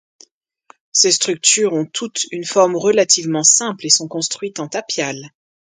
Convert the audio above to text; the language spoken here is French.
Ces structures ont toutes une forme relativement simple et sont construites en tapial.